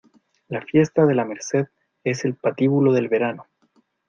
La fiesta de la Merced es el patíbulo del verano.